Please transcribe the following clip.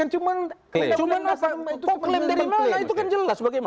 cuma itu cuma mengklaim